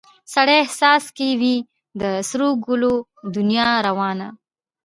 سړي احساس کې وي د سرو ګلو دنیا روانه